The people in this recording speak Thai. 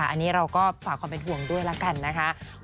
อันนี้เราก็ฝากความเป็นห่วงด้วยละกันนะคะ